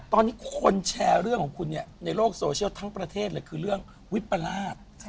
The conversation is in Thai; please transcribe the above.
ตอนนี้คนแชร์เรื่องของคุณเนี่ยในโลกโซเชียลทั้งประเทศเลยคือเรื่องวิปราช